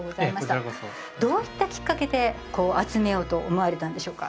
こちらこそどういったきっかけでこう集めようと思われたんでしょうか？